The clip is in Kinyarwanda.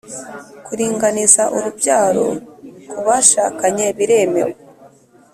kuringaniza urubyaro kubashakanye biremewe